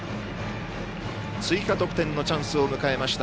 追加得点のチャンスを迎えました